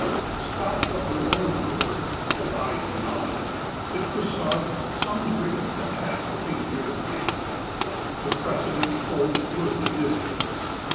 150 DICKENS stopped of their own accord — as I do not — it presaged some great catastrophe near at hand. The precedent holds good in this case.